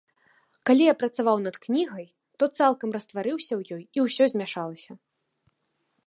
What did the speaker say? Калі я працаваў над кнігай, то цалкам растварыўся ў ёй і ўсё змяшалася.